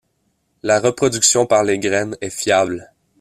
La reproduction par les graines est fiable.